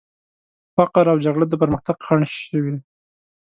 فقر او جګړه د پرمختګ خنډ شوي.